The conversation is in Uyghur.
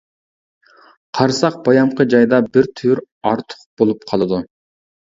قارىساق بايامقى جايدا بىر تۈر ئارتۇق بولۇپ قالىدۇ.